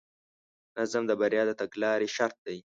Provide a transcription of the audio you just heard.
نظم د بریا د تګلارې شرط دی.